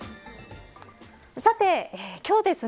さて今日ですね